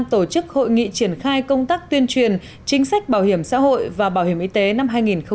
bảo hiểm xã hội việt nam tổ chức hội nghị triển khai công tác tuyên truyền chính sách bảo hiểm xã hội và bảo hiểm y tế năm hai nghìn một mươi bảy